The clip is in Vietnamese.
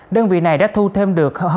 đơn vị này đã thu thêm được